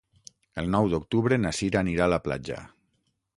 El nou d'octubre na Cira anirà a la platja.